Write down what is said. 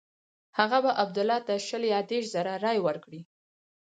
هغه به عبدالله ته شل یا دېرش زره رایې ورکړي.